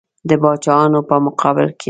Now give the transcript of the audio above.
د پاچاهانو په مقابل کې.